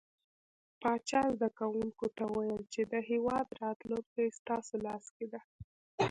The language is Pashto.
پاچا زده کوونکو ته وويل چې د هيواد راتلونکې ستاسو لاس کې ده .